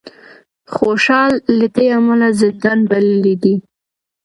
خوشال له دې امله زندان بللی دی